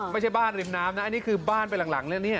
ไม่ใช่บ้านริมน้ำนะอันนี้คือบ้านไปหลังนะเนี่ย